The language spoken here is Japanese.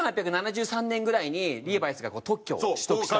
１８７３年ぐらいにリーバイスが特許を取得したんだよ。